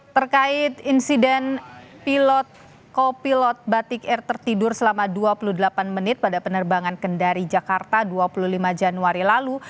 terkait insiden pilot kopilot batik air tertidur selama dua puluh delapan menit pada penerbangan kendari jakarta dua puluh lima januari lalu